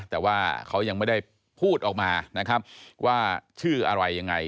แต่ว่าเขายังไม่ได้พูดออกมานะครับว่าชื่ออะไรยังไง